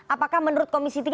apakah menurut komisi tiga